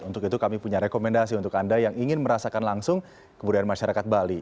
untuk itu kami punya rekomendasi untuk anda yang ingin merasakan langsung kebudayaan masyarakat bali